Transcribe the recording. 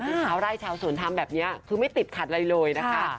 คือชาวไร่ชาวสวนทำแบบนี้คือไม่ติดขัดอะไรเลยนะคะ